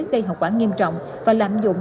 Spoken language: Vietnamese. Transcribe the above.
gây hậu quả nghiêm trọng và lạm dụng